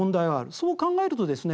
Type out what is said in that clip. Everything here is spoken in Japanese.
そう考えるとですね